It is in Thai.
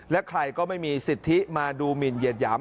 และใครก็ไม่มีสิทธิมาดูหมินเหยียดหยาม